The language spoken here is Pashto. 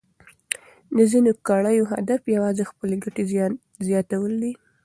د ځینو کړیو هدف یوازې خپلې ګټې زیاتول دي.